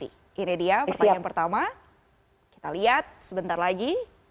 ini dia pertanyaan pertama kita lihat sebentar lagi